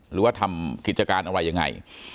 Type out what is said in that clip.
หรือว่าทำกิจการอะไรยังไง